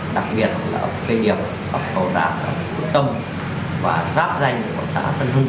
đặc biệt là ở cái điểm hợp cầu rãn hợp tâm và giáp danh của xã tân hưng